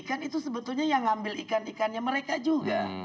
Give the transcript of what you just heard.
kan itu sebetulnya yang ngambil ikan ikannya mereka juga